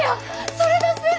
それだす！